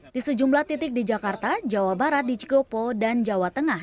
di sejumlah titik di jakarta jawa barat di cikopo dan jawa tengah